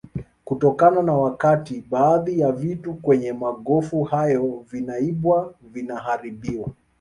kutokana na wakati baadhi ya vitu kwenye magofu hayo vinaibwa vinaharibiwa